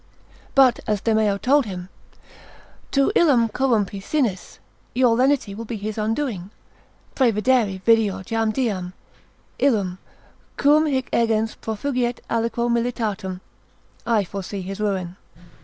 But as Demeo told him, tu illum corrumpi sinis, your lenity will be his undoing, praevidere videor jam diem, illum, quum hic egens profugiet aliquo militatum, I foresee his ruin.